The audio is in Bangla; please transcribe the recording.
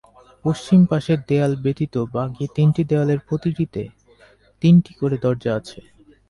পশ্চিম পাশের দেয়াল ব্যতীত বাকী তিনটি দেয়ালের প্রতিটিতে তিনটি করে দরজা আছে।